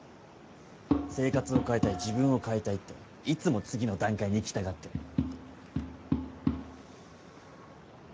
生活を変えたい自分を変えたいっていつも次の段階にいきたがってる